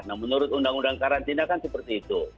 nah menurut undang undang karantina kan seperti itu